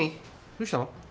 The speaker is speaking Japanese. どうしたの？